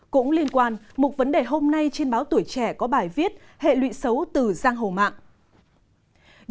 cũng liên quan một vấn đề hôm nay trên báo tuổi trẻ có bài viết hệ lụy xấu từ giang hồ mạng